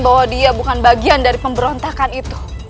bahwa dia bukan bagian dari pemberontakan itu